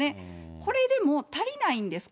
これでも足りないんですか？